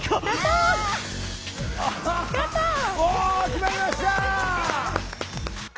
決まりました！